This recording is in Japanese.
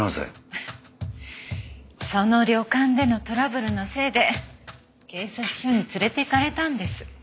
フッその旅館でのトラブルのせいで警察署に連れて行かれたんです。